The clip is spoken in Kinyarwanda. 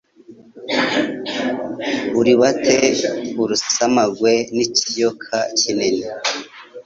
uribate urusamagwe n’ikiyoka kinini